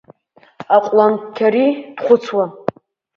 Аҟәланқьари дхәыцуа.